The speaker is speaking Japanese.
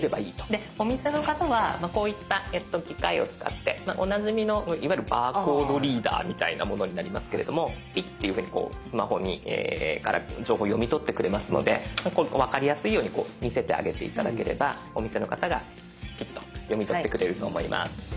でお店の方はこういった機械を使っておなじみのいわゆるバーコードリーダーみたいなものになりますけれどもピッていうふうにスマホから情報を読み取ってくれますのでこれ分かりやすいように見せてあげて頂ければお店の方がピッと読み取ってくれると思います。